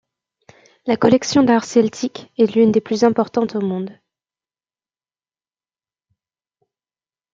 La collection d’art celtique est l'une des plus importantes au monde.